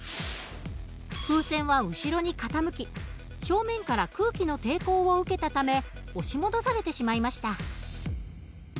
風船は後ろに傾き正面から空気の抵抗を受けたため押し戻されてしまいました。